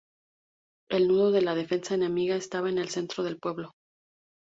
El nudo de la defensa enemiga estaba en el centro del pueblo.